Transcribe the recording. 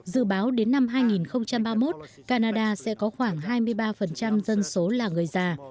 dự báo đến năm hai nghìn ba mươi một canada sẽ có khoảng hai mươi ba dân số là người già